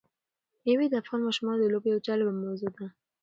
مېوې د افغان ماشومانو د لوبو یوه جالبه موضوع ده.